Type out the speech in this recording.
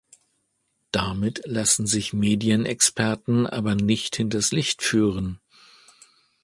Damit lassen sich Medienexperten aber nicht hinters Licht führen.